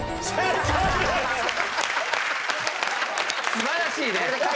素晴らしいね。